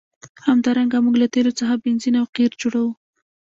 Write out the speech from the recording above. همدارنګه موږ له تیلو څخه بنزین او قیر جوړوو.